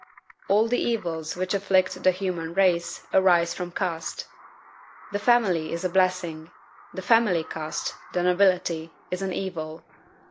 "All the evils which afflict the human race arise from caste. The family is a blessing; the family caste (the nobility) is an evil.